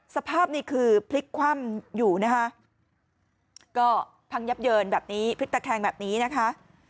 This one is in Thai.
สภาพนี้คือพลิกคว่ำอยู่นะคะก็พังยับเยินแบบนี้พลิกตะแคงแบบนี้นะคะ